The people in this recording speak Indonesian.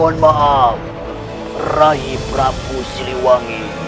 mohon maaf raih prabu siliwangi